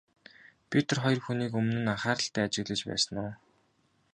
Би тэр хоёр хүнийг өмнө нь анхааралтай ажиглаж байсан уу?